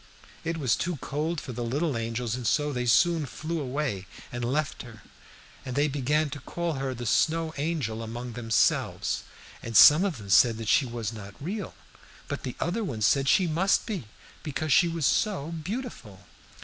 "It was too cold for the little angels, and so they soon flew away and left her; and they began to call her the Snow Angel among themselves, and some of them said she was not real, but the other ones said she must be, because she was so beautiful.